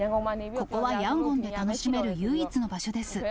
ここはヤンゴンで楽しめる唯一の場所です。